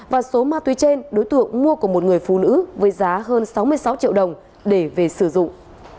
và số ma túy trên đối tượng mua của một người phụ nữ với giá hơn sáu mươi sáu triệu đồng để về sử dụng